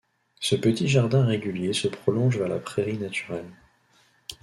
Ce petit jardin régulier se prolonge vers la prairie naturelle.